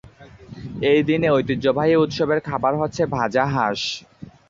এই দিনে ঐতিহ্যবাহী উৎসবের খাবার হচ্ছে ভাজা হাঁস।